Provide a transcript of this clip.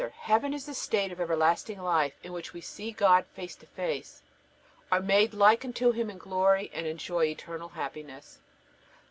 Heaven is the state of everlasting life in which we see God face to face, are made like unto Him in glory, and enjoy eternal happiness.